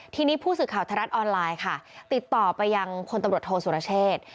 ทีนี้ผู้สื่อข่าวทรัฐออนไลน์ค่ะติดต่อไปยังพลตำรวจโทษสุรเชษ